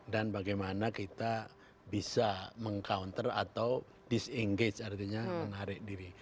dan bagaimana kita bisa meng counter atau disengage artinya menarik diri